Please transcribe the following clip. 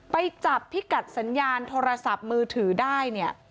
ไปจับพิกัดสัญญาณโทรศัพท์มือถือได้เนี่ย